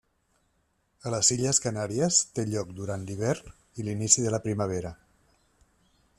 A les illes Canàries, té lloc durant l'hivern i l'inici de la primavera.